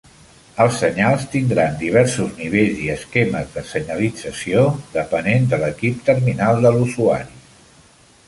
Els senyals tindran diversos nivells i esquemes de senyalització depenent de l'equip terminal de l'usuari.